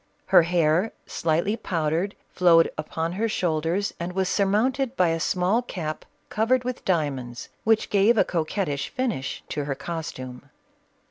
Her hair, slightly powdered, flowed upon her shoulders and was surmounted by a small cap covered with diamonds, which gave a coquettish finish to her costume.